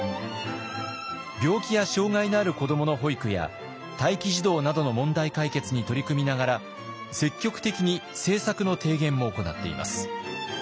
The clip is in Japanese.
病気や障害のある子どもの保育や待機児童などの問題解決に取り組みながら積極的に政策の提言も行っています。